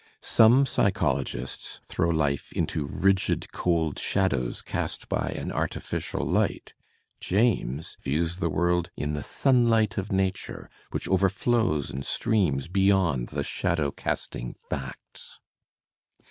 Some psychologists throw life into rigid cold shadows cast by an artificial light; James views the world in the sunlight of nature which overflows and streams beyond the shadow casting facts.